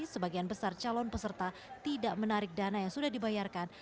sebagian besar calon peserta tidak menarik dana yang sudah dibayarkan